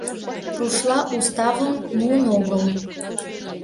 Рушла уставым муын огыл.